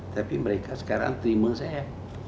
tapi mereka sekarang terima saya